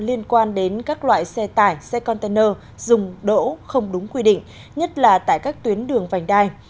liên quan đến các loại xe tải xe container dùng đỗ không đúng quy định nhất là tại các tuyến đường vành đai